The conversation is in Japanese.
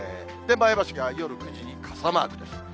前橋が夜９時に傘マークです。